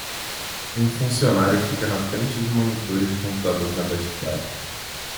Um funcionário fica na frente de monitores de computador na Best Buy.